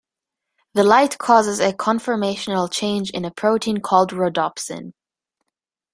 The light causes a conformational change in a protein called rhodopsin.